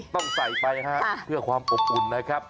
ต้องใส่ไปครับเพื่อความอบอุ่นนะครับ